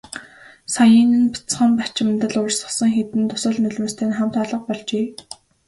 Саяын нь бяцхан бачимдал урсгасан хэдэн дусал нулимстай нь хамт алга болжээ.